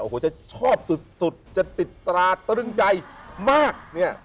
โอ้โหจะชอบสุดจะติดตราตรึงใจมากเนี่ย